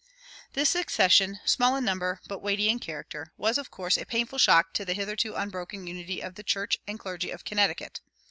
This secession, small in number, but weighty in character, was of course a painful shock to the hitherto unbroken unity of the church and clergy of Connecticut.